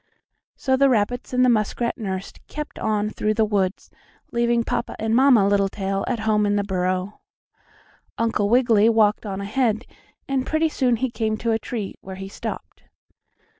So the rabbits and the muskrat nurse kept on through the woods, leaving Papa and Mamma Littletail at home in the burrow. Uncle Wiggily walked on ahead, and pretty soon he came to a tree, where he stopped.